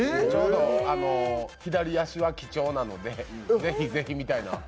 ちょうど左足は貴重なのでぜひぜひ、みたいな。